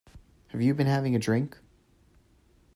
Have you been having a drink?